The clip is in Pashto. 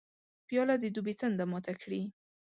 پیاله د دوبي تنده ماته کړي.